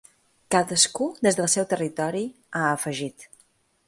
Cadascú des del seu territori, ha afegit.